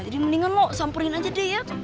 jadi mendingan lo samperin aja deh ya